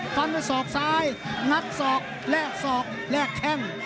ฟันด้วยศอกซ้ายงัดศอกแลกศอกแลกแข้ง